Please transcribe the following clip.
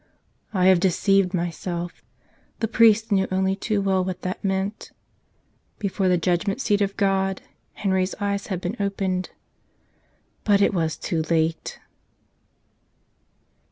"I have deceived myself!" The priest knew only too well what that meant. Before the judgment seat of God Henry's eyes had been opened. But it was too late!